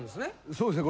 そうですね